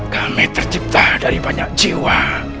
kami tercipta dari banyak jiwa